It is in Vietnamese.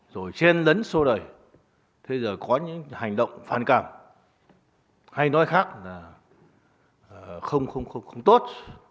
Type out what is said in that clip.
rồi trên đấn sô đời thế giờ có những hành động phản cảm hay nói khác là không tốt